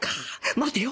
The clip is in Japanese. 待てよ